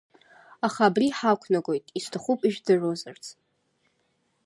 Аха абри ҳақәнагоит, исҭахуп ижәдыруазарц!